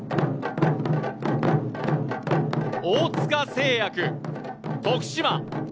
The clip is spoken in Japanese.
大塚製薬・徳島。